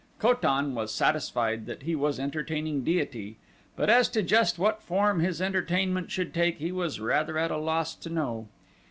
Ko tan was satisfied that he was entertaining deity, but as to just what form his entertainment should take he was rather at a loss to know.